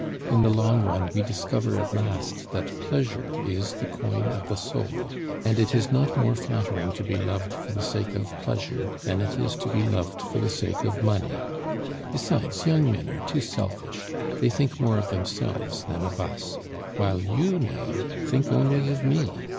In the long run we discover at last that pleasure is the coin of the soul; and it is not more flattering to be loved for the sake of pleasure than it is to be loved for the sake of money. "Besides, young men are too selfish; they think more of themselves than of us; while you, now, think only of me.